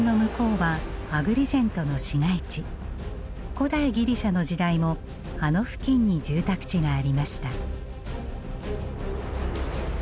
古代ギリシャの時代もあの付近に住宅地がありました。